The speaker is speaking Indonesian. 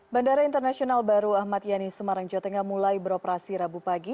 bandara internasional baru ahmad yani semarang jawa tengah mulai beroperasi rabu pagi